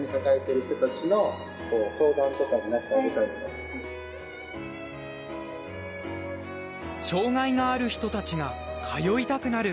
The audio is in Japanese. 障がいがある人たちが通いたくなる福祉施設。